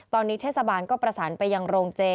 ตอนนี้เทศบาลก็ประสานไปยังโรงเจ